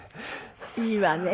いいわね。